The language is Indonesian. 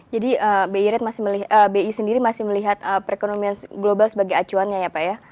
jadi bi sendiri masih melihat perekonomian global sebagai acuannya ya pak ya